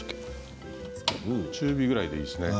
中火ぐらいでいいですね。